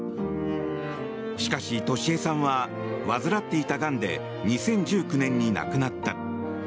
しかし俊恵さんは患っていたがんで２０１９年に亡くなった。